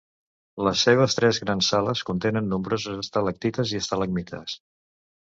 Les seves tres grans sales contenen nombroses estalactites i estalagmites.